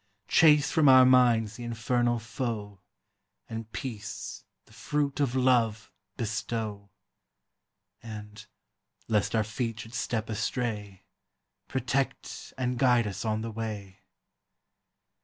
Chase from our minds the infernal foe, And peace, the fruit of love, bestow; And, lest our feet should step astray, Protect and guide us on the way.